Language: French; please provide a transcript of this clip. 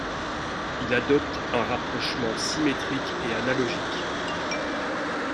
Il adopte un rapprochement symétrique et analogique.